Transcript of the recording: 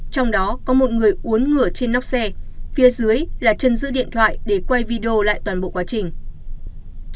trong đó có một người uốn ngửa trên nóc xe phía dưới là chân giữ điện thoại để quay video lại toàn bộ quá trình